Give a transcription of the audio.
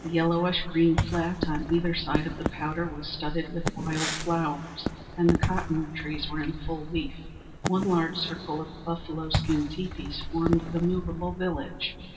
The yellowish green flat on either side of the Powder was studded with wild flowers, and the cottonwood trees were in full leaf. One large circle of buffalo skin teepees formed the movable village.